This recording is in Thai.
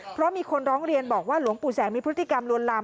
เพราะมีคนร้องเรียนบอกว่าหลวงปู่แสงมีพฤติกรรมลวนลาม